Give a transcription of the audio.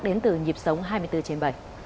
đến từ nhịp sống hai mươi bốn trên bảy